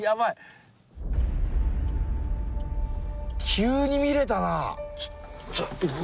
急に見れたな。